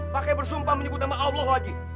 pakai bersumpah menyebut nama allah haji